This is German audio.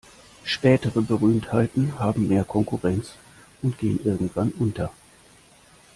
Spätere Berühmtheiten haben mehr Konkurrenz und gehen irgendwann unter.